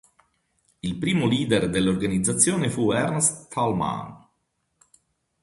Il primo leader dell'organizzazione fu Ernst Thälmann.